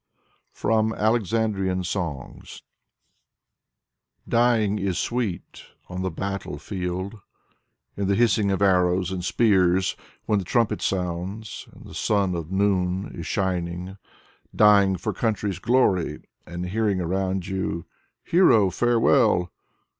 Mikhail Kuzmin I2i FROM "ALEXANDRIAN SONGS'' Dying is sweet On the battle field In the hissing of arrows and spears, When the trumpet sounds And the sun of noon Is shining, Dying for country's glory And hearing around you: "Hero, farewell!"